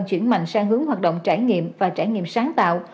các trường có mạnh sang hướng hoạt động trải nghiệm và trải nghiệm sáng tạo